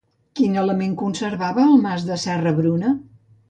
Quin element conservava el mas de Serra-Bruna?